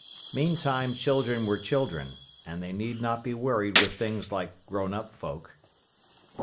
Meantime "children were children", and they need not be worried with things like grown up folk.